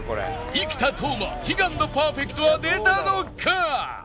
生田斗真悲願のパーフェクトは出たのか！？